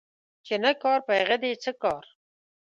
چي نه کار ، په هغه دي څه کار